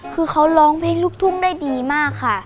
คือเขาร้องเพลงลูกทุ่งได้ดีมากค่ะ